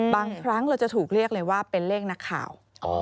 บางครั้งเราจะถูกเรียกเลยว่าเป็นเลขนักข่าว